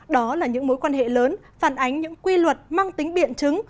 đó là những mối quan hệ lớn phản ánh những quy luật mang tính biện chứng